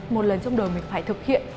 một lần trong đời mình phải thực hiện